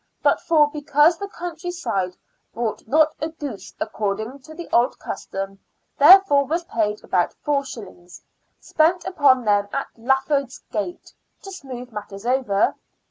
but for because the country side brought not a goose according to the old custom, there fore was paid but 4s. Spent upon them at Laffords Gate [to smooth matters over